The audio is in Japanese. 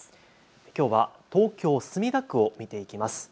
きょうは東京墨田区を見ていきます。